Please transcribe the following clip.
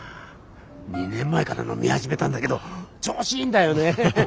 ２年前から飲み始めたんだけど調子いいんだよね。